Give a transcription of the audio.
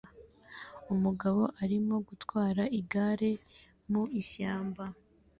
Umugabo arimo gutwara igare mu ishyamba